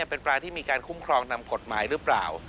เป็นปลาที่มีการคุ้มครองนำกฎหมายหรือเปล่า